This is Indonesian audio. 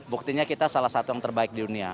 buktinya kita salah satu yang terbaik di dunia